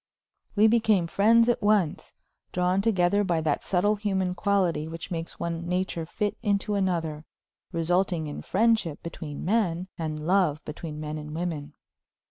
We became friends at once, drawn together by that subtle human quality which makes one nature fit into another, resulting in friendship between men, and love between men and women.